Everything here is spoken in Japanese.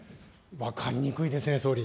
分かりにくいですね、総理。